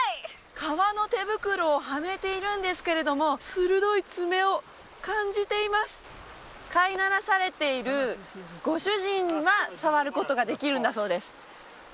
革の手袋をはめているんですけれどもするどいツメを感じています飼い慣らされているご主人は触ることができるんだそうです